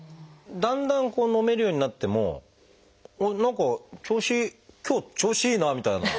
だんだん飲めるようになってもあっ何か調子今日調子いいなみたいな。